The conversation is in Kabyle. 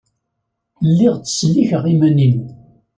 Lliɣ ttsellikeɣ iman-inu.